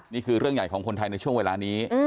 นี่คือเรื่องใหญ่ของคนไทยในช่วงเวลานี้